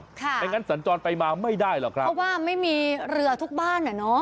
ไม่งั้นสัญจรไปมาไม่ได้หรอกครับเพราะว่าไม่มีเรือทุกบ้านอ่ะเนอะ